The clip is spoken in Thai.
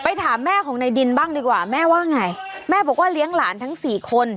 ถามแม่ของในดินบ้างดีกว่าแม่ว่าไงแม่บอกว่าเลี้ยงหลานทั้งสี่คน